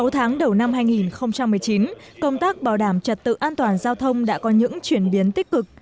sáu tháng đầu năm hai nghìn một mươi chín công tác bảo đảm trật tự an toàn giao thông đã có những chuyển biến tích cực